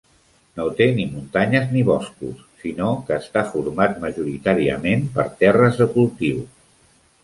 No té ni muntanyes ni boscos, sinó que està format majoritàriament per terres de cultiu.